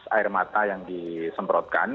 air mata yang disemprotkan